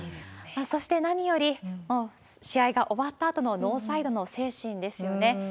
そして何より、試合が終わったあとのノーサイドの精神ですよね。